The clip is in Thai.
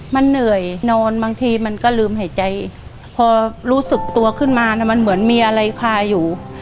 มันเหนื่อยนอนบางทีมันก็ลืมหายใจพอรู้สึกตัวขึ้นมามันเหมือนมีอะไรคาอยู่